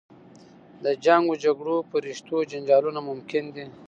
د جنګ و جګړو په رشتو جنجالونه ممکن دي.